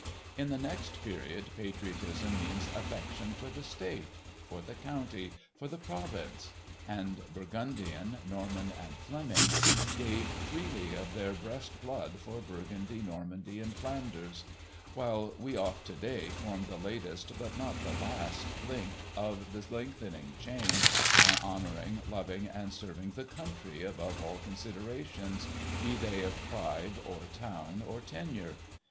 In the next period, patriotism means affection for the state, for the county, for the province; and Burgundian, Norman and Fleming gave freely of their breast blood for Burgundy, Normandy and Flanders; while we of to day form the latest, but not the last, link of the lengthening chain by honouring, loving and serving the country above all considerations, be they of tribe, or town, or tenure.